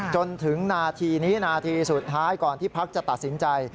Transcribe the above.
จนถึงนาทีนี้นาทีสุดท้ายก่อนที่พักจะตัดสินใจ